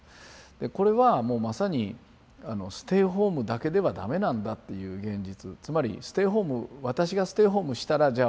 これはもうまさにステイホームだけではダメなんだっていう現実つまりステイホーム私がステイホームしたらじゃあ